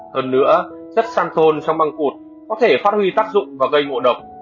hơn nữa chất xan thôn trong măng cụt có thể phát huy tác dụng và gây ngộ độc